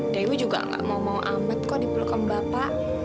dewi juga nggak mau mau amat kok dipeluk sama bapak